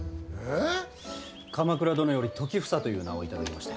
鎌倉殿より、時房という名を頂きました。